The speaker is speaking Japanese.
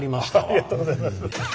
ありがとうございます。